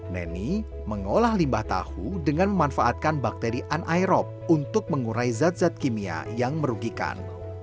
neni mengolah limbah tahu dengan memanfaatkan bakteri anairop untuk mengurai zat zat kimia yang merugikan